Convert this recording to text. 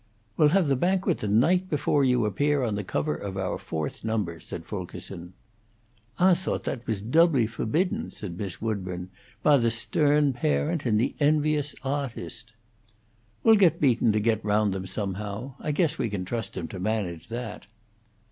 "We'll have the banquet the night before you appear on the cover of our fourth number," said Fulkerson. "Ah thoat that was doubly fo'bidden," said Miss Woodburn. "By the stern parent and the envious awtust." "We'll get Beaton to get round them, somehow. I guess we can trust him to manage that."